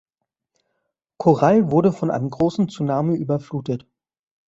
Corral wurde von einem großen Tsunami überflutet.